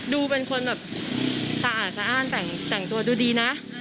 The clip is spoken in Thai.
ดูเป็นคนแบบสะอาดสะอ้านแต่งตัวดูดีนะ